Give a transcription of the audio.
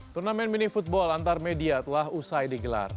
turnamen mini football antar media telah usai digelar